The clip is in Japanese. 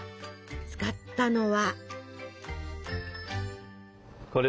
使ったのは？